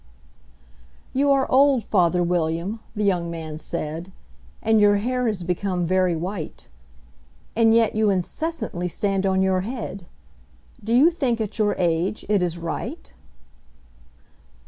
"YOU are old, father William," the young man said, "And your hair has become very white; And yet you incessantly stand on your head Do you think, at your age, it is right?